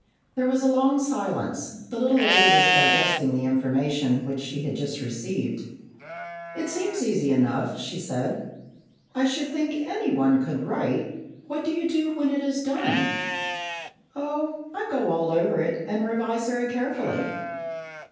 There was a long silence. The little lady was digesting the information which she had just received. "It seems easy enough," she said. "I should think any one could write. What do you do when it is done?" "Oh, I go all over it and revise very carefully."